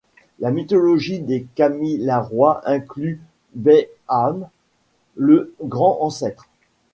La mythologie des Kamilaroi inclut Baiame, le grand ancêtre.